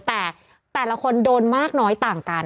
แต่แต่ละคนโดนมากน้อยต่างกัน